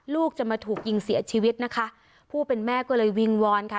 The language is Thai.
ลูกจะมาถูกยิงเสียชีวิตนะคะผู้เป็นแม่ก็เลยวิงวอนค่ะ